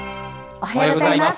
おはようございます。